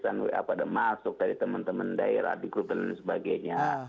dua ratus an wa pada masuk dari teman teman daerah di grup dan sebagainya